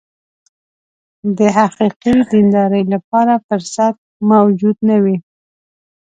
د حقیقي دیندارۍ لپاره فرصت موجود نه وي.